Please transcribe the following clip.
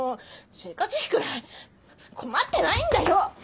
生活費くらい困ってないんだよ！